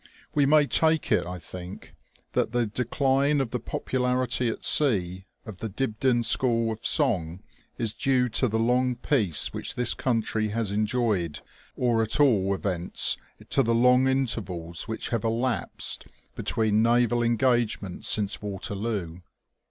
We may take it I think that the decline of the popularity at sea of the Dibdin school of song is due to the long peace which this country has enjoyed, or at all THE OLD NAVAL SEASONO. 233 events to the long intervals "which have elapsed between naval engagements since Waterloo.